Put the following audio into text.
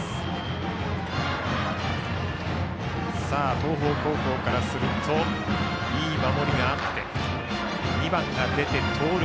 東邦高校からするといい守りがあって２番が出て盗塁。